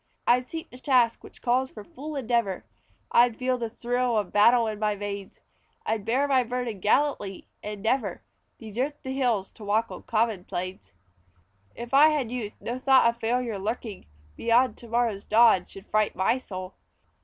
I'd seek the task which calls for full endeavor; I'd feel the thrill of battle in my veins. I'd bear my burden gallantly, and never Desert the hills to walk on common plains. If I had youth no thought of failure lurking Beyond to morrow's dawn should fright my soul.